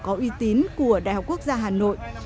có uy tín của đại học quốc gia hà nội